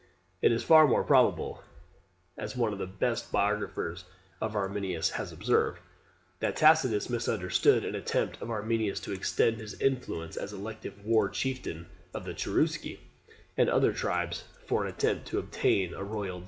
It is far more probable (as one of the best biographers of Arminius has observed) that Tacitus misunderstood an attempt of Arminius to extend his influence as elective war chieftain of the Cherusci, and other tribes, for an attempt to obtain the royal dignity.